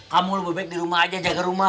kamu lebih baik di rumah aja jaga rumah